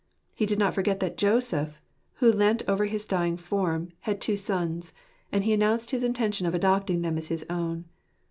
He did not forget that Joseph, who leant over his dying form, had two sons ; and he announced his intention of adopting them as his own.